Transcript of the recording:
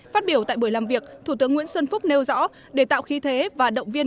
phát biểu tại buổi làm việc thủ tướng nguyễn xuân phúc nêu rõ để tạo khí thế và động viên